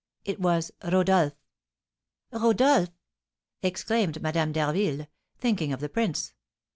It was Rodolph." "Rodolph!" exclaimed Madame d'Harville, thinking of the prince.